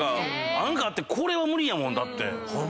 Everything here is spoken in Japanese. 何かあってこれは無理やもんだって。